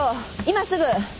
今すぐ。